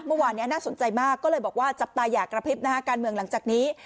เมื่อวานนี้น่าสนใจมากก็เลยบอกว่าจับตาอยากกระพริบนะฮะการเมืองหลังจากนี้